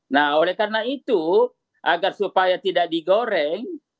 nah oleh karena itu agar supaya tidak digoreng